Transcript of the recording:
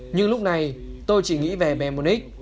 nhưng lúc này tôi chỉ nghĩ về bayern munich